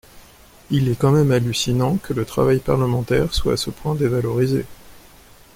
Il est quand même hallucinant que le travail parlementaire soit à ce point dévalorisé.